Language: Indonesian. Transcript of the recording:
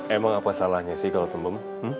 emang apa salahnya sih kalo tembem